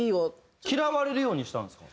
嫌われるようにしたんですか？